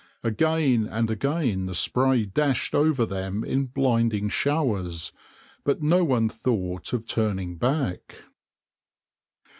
Again and again the spray dashed over them in blinding showers, but no one thought of turning back.